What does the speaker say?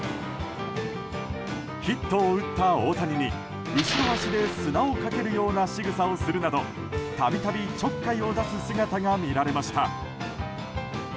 ヒットを打った大谷に後ろ足で砂をかけるようなしぐさをするなど度々ちょっかいを出す姿が見られました。